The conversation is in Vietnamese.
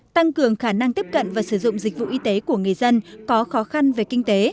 tăng cường khả năng tiếp cận và sử dụng dịch vụ y tế của người dân có khó khăn về kinh tế